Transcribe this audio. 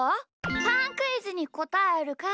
パンクイズにこたえるか